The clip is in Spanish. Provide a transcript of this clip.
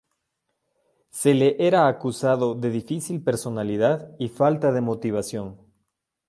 Se le era acusado de difícil personalidad y falta de motivación.